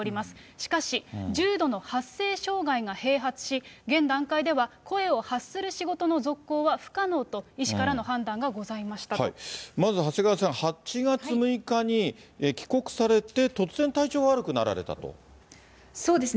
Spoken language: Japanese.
しかし、重度の発声障害が併発し、現段階では声を発する仕事の続行は不可能と医師からの判断がござまず長谷川さん、８月６日に帰国されて、突然体調悪くなられたそうですね。